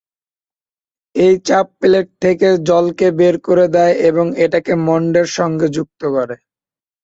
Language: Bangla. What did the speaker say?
এই চাপ প্লেট থেকে জলকে বের করে দেয় এবং এটাকে মণ্ডের সঙ্গে যুক্ত করে।